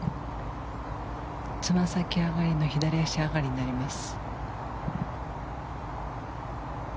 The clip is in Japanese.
つま先上がりの左足上がりになります。